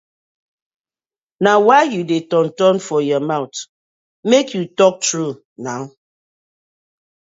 Na why yu dey turn turn for yah mouth, make yu talk true naw.